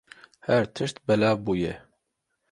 Her tişt belav bûye.